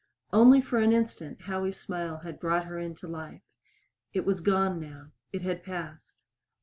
Only for an instant Howie's smile had brought her into life. It was gone now. It had passed.